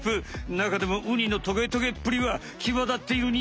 なかでもウニのトゲトゲっぷりはきわだっているウニ。